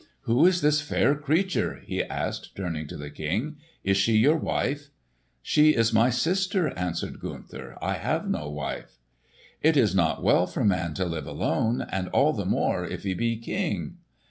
"Who is this fair creature?" he asked, turning to the King. "Is she your wife?" "She is my sister," answered Gunther. "I have no wife." "It is not well for man to live alone; and all the more if he be king."